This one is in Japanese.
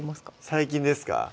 最近ですか？